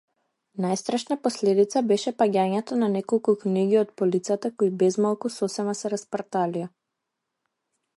Најстрашна последица беше паѓањето на неколку книги од полицата кои безмалку сосема се распарталија.